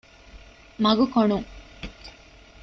މަގުކޮނުން